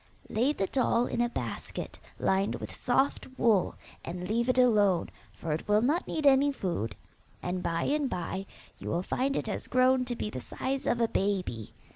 Lay the doll in a basket lined with soft wool, and leave it alone, for it will not need any food, and by and by you will find it has grown to be the size of a baby.